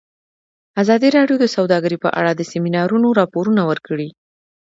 ازادي راډیو د سوداګري په اړه د سیمینارونو راپورونه ورکړي.